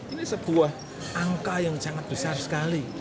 ini sebuah angka yang sangat besar sekali